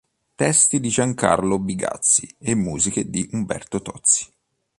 Testi di Giancarlo Bigazzi e musiche di Umberto Tozzi.